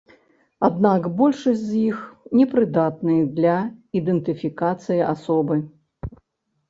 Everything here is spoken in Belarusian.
Аднак большасць з іх непрыдатныя для ідэнтыфікацыі асобы.